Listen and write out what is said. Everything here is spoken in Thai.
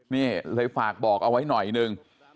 นี่เลยฝากบอกเอาไว้หน่อยนึง